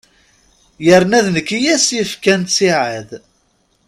Yerna d nekk i as-yefkan ttiɛad.